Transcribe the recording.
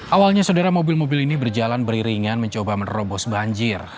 awalnya saudara mobil mobil ini berjalan beriringan mencoba menerobos banjir